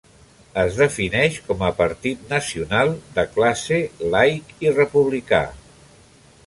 Es defineix com a partit nacional, de classe, laic i republicà.